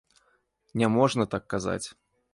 Не можна так казаць.